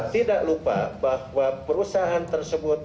tidak lupa bahwa perusahaan tersebut